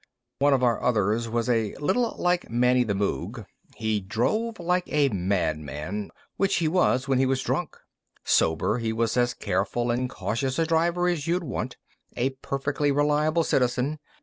One of our others was a little like Manny the Moog; he drove like a madman which he was when he was drunk. Sober, he was as careful and cautious a driver as you'd want a perfectly reliable citizen.